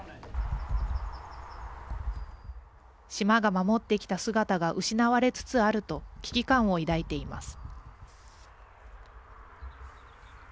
島が守ってきた姿が失われつつあると危機感を抱いています。